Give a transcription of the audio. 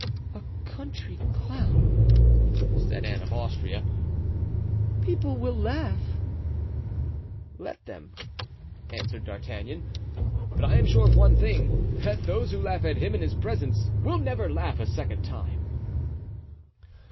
"A country clown," said Anne of Austria, "people will laugh." "Let them," answered D'Artagnan. "But I am sure of one thing—that those who laugh at him in his presence will never laugh a second time."